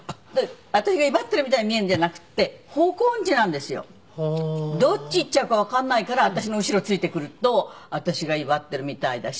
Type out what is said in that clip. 私が威張ってるみたいに見えるんじゃなくて方向音痴なんですよ。どっち行っちゃうかわかんないから私の後ろついてくると私が威張ってるみたいだし。